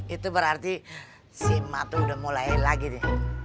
itu berarti si emak tuh udah mulai lagi deh